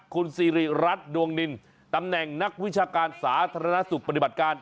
คุณสิริรัตน์ดวงนินตำแหน่งนักวิชาการสาธารณสุขปฏิบัติการ